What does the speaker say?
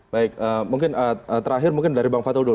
baik mungkin terakhir mungkin dari bang fatul dulu